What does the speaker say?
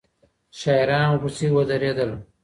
شاعران ورپسي ودرېدل